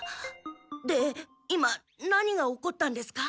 で今何が起こったんですか？